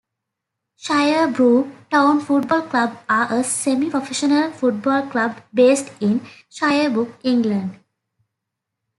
Shirebrook Town Football Club are a semi-professional football club based in Shirebrook, England.